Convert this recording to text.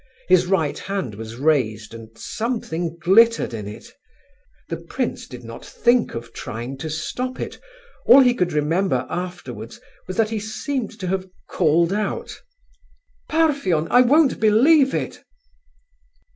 His right hand was raised, and something glittered in it. The prince did not think of trying to stop it. All he could remember afterwards was that he seemed to have called out: "Parfen! I won't believe it."